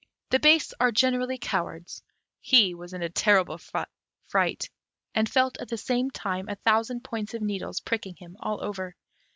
The base are generally cowards. He was in a terrible fright, and felt at the same time a thousand points of needles pricking him all over.